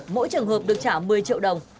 mỗi trường hợp được trả một mươi triệu đồng